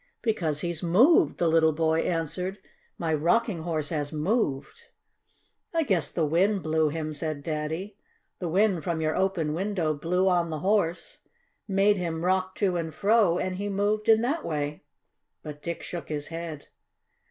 "Because he's moved," the little boy answered. "My Rocking Horse has moved!" "I guess the wind blew him," said Daddy. "The wind from your open window blew on the horse, made him rock to and fro, and he moved in that way." But Dick shook his head.